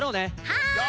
はい！